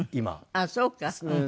あっそうかうん。